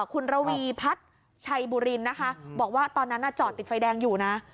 คุณระวีพัฒน์ชัยบุรินนะคะบอกว่าตอนนั้นจอดติดไฟแดงอยู่นะ